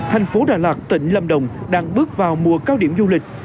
thành phố đà lạt tỉnh lâm đồng đang bước vào mùa cao điểm du lịch